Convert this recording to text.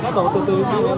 đang đâu anh